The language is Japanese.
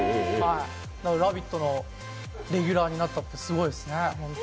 「ラヴィット！」のレギュラーになったってすごいですね。